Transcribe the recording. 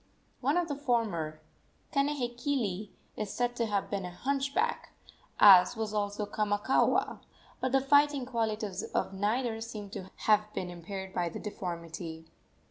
One of the former Kanehekili is said to have been a hunchback, as was also Kamakaua, but the fighting qualities of neither seem to have been impaired by the deformity.